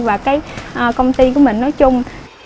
và cái công ty của mình nói chung